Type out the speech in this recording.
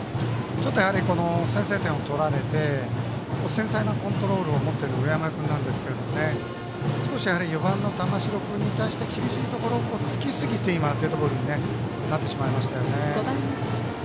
ちょっと先制点を取られて繊細なコントロールを持っている上山君なんですけれども４番の玉城君に対して厳しいところを突きすぎて今、デッドボールになってしまいましたよね。